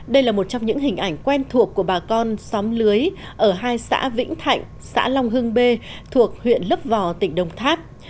đây là một trong những hình ảnh quen thuộc của bà con xóm lưới ở hai xã vĩnh thạnh xã long hưng bê thuộc huyện lấp vò tỉnh đồng tháp